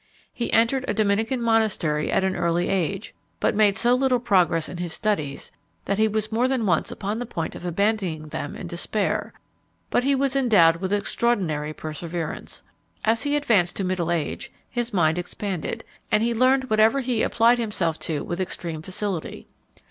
He entered a Dominican monastery at an early age; but made so little progress in his studies, that he was more than once upon the point of abandoning them in despair, but he was endowed with extraordinary perseverance. As he advanced to middle age, his mind expanded, and he learned whatever he applied himself to with extreme facility.